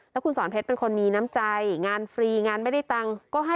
แล้วคุณสอนเพชรเป็นคนมีน้ำใจงานฟรีงานไม่ได้ตังค์ก็ให้